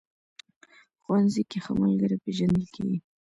ښوونځی کې ښه ملګري پېژندل کېږي